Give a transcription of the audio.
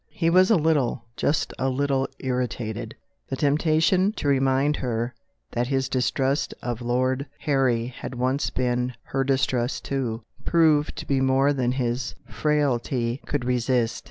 He was a little just a little irritated. The temptation to remind her that his distrust of Lord Harry had once been her distrust too, proved to be more than his frailty could resist.